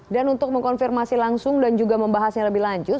dan untuk mengkonfirmasi langsung dan juga membahasnya lebih lanjut